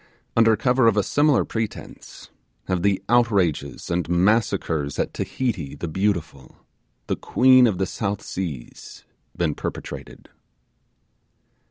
Under cover of a similar pretence, have the outrages and massacres at Tahiti the beautiful, the queen of the South Seas, been perpetrated.